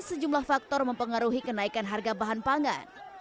sejumlah faktor mempengaruhi kenaikan harga bahan pangan